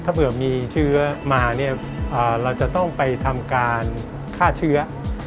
ถ้าเผื่อมีเชื้อมาเนี่ยเราจะต้องไปทำการฆ่าเชื้อ